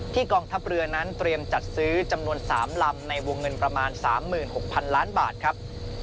กองทัพเรือนั้นเตรียมจัดซื้อจำนวน๓ลำในวงเงินประมาณ๓๖๐๐๐ล้านบาทครับ